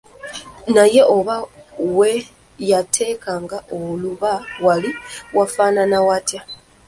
Naye oba we yateekanga oluba waali wafaanana watya?